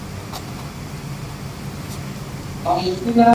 Tournette, the tallest of the mountains overlooking Lake Annecy.